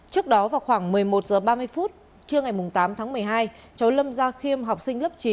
trước đó vào khoảng một mươi một h ba mươi trưa ngày tám tháng một mươi hai cháu lâm gia khiêm học sinh lớp chín